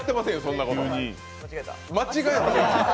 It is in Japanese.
間違えた？